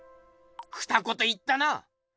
ふた言言ったな！